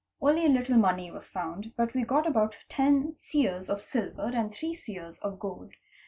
Only a little money was found, but we got about ten seers of silver and three seers of gold.